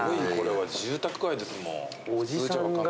これは住宅街ですもん。